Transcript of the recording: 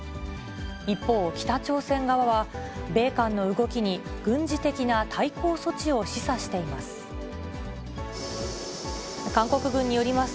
一方、北朝鮮側は、米韓の動きに軍事的な対抗措置を示唆しています。